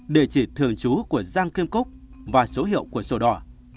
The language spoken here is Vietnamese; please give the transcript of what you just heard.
địa chỉ thường trú của giang kim cúc và số hiệu của sổ đỏ